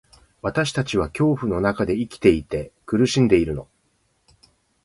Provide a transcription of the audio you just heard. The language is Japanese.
私たちは恐怖の中で生きていて、苦しんでいるの。